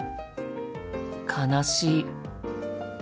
悲しい。